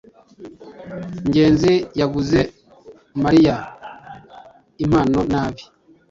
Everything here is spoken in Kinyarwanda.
ngenzi yaguze mariya impano nabi